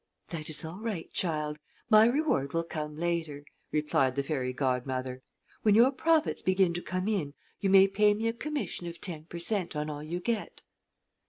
"That is all right, child. My reward will come later," replied the fairy godmother. "When your profits begin to come in you may pay me a commission of ten per cent. on all you get."